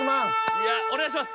いやお願いします。